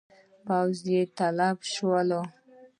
پوځیان یې تلف شول.